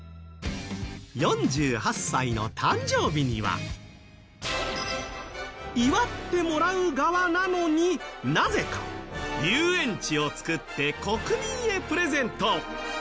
４８歳の誕生日には祝ってもらう側なのになぜか、遊園地を作って国民へプレゼント。